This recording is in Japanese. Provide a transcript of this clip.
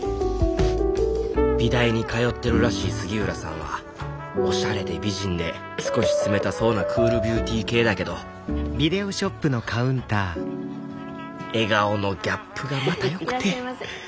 美大に通ってるらしい杉浦さんはおしゃれで美人で少し冷たそうなクールビューティー系だけど笑顔のギャップがまたよくていらっしゃいませ。